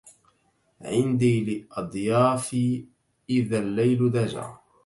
عندي لأضيافي إذا الليل دجا